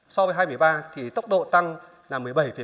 so với hai nghìn một mươi ba thì tốc độ tăng là một mươi bảy tám